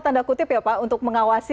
tanda kutip ya pak untuk mengawasi